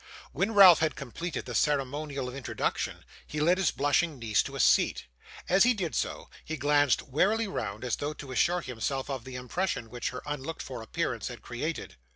When Ralph had completed the ceremonial of introduction, he led his blushing niece to a seat. As he did so, he glanced warily round as though to assure himself of the impression which her unlooked for appearance had created.